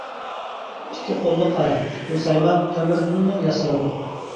ئىككى قوللۇق ئارا: بۇ سايمان تۆمۈردىنمۇ ياسىلىدۇ.